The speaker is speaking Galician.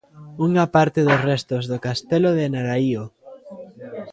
Unha parte dos restos do castelo de Naraío.